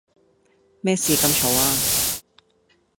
咩事咁嘈呀